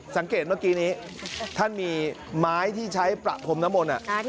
สังเกตเมื่อกี้นี้ท่านมีไม้ที่ใช้ประพรมน้ำมนต์